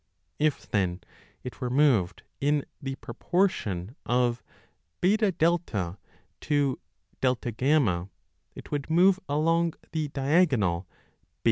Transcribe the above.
If then it were moved in the proportion 5 of BA to AF, it would move along the diagonal BF.